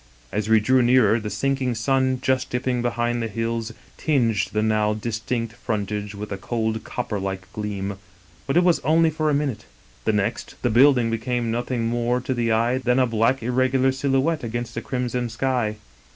As we drew nearer, the sinking sun, just dipping behind the hills, tinged the now distinct front age with a cold copper like gleam, but it was only for a minute ; the next the building became nothing more to the eye than a black irregular silhouette against the crimson sky.